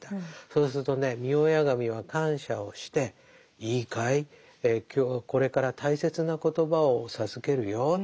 そうするとね御祖神は感謝をして「いいかい今日はこれから大切な言葉を授けるよ。